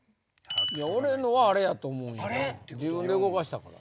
俺のはあれやと思う自分で動かしたから。